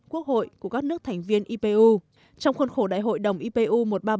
quốc hội của các nước thành viên ipu trong khuôn khổ đại hội đồng ipu một trăm ba mươi bảy